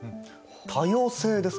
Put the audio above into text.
多様性ですか。